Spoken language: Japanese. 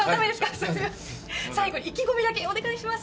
最後に意気込みだけお願いします。